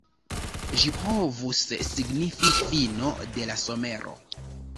Ĝi povus signifi "fino de la somero".